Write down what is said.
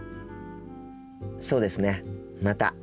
そうですねまた。